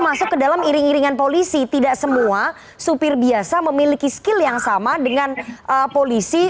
masuk ke dalam iring iringan polisi tidak semua supir biasa memiliki skill yang sama dengan polisi